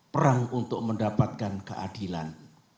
perang untuk mendapatkan keadilan